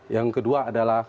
yang kedua adalah